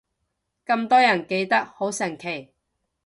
咁多人記得，好神奇